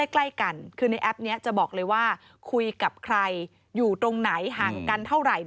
ใกล้กันคือในแอปนี้จะบอกเลยว่าคุยกับใครอยู่ตรงไหนห่างกันเท่าไหร่